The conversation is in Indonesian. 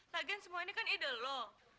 lagian semua ini kan ide loh